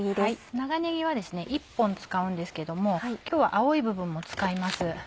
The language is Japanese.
長ねぎは１本使うんですけれども今日は青い部分も使います。